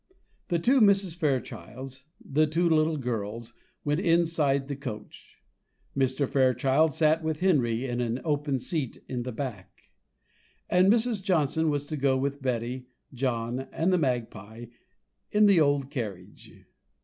The two Mrs. Fairchilds, and the two little girls, went inside the coach; Mr. Fairchild sat with Henry in an open seat in the back; and Mrs. Johnson was to go with Betty, John, and the magpie, in the old carriage.